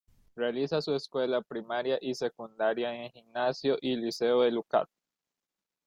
Realiza su escuela primaria y secundaria en el Gimnasio y Liceo de Lucca.